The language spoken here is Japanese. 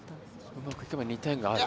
うまくいけば２点がある。